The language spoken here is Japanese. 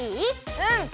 うん！